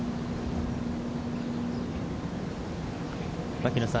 牧野さん